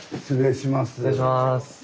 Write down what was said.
失礼します。